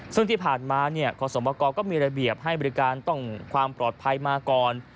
ซึ่งที่ผ่านมาขอสมกรก็มีระเบียบให้บริการต้องความปลอดภัยมาก่อน